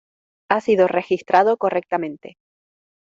Ha sido registrado correctamente.